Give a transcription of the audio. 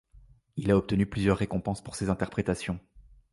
Il a obtenu plusieurs récompenses pour ses interprétations.